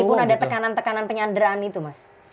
meskipun ada tekanan tekanan penyanderaan itu mas